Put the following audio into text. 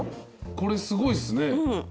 これすごいっすね。